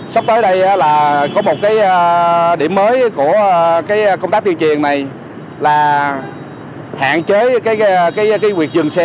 sắp tới đây là có một cái điểm mới của công tác tuyên truyền này là hạn chế cái việc dừng xe